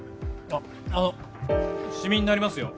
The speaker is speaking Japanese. あのシミになりますよ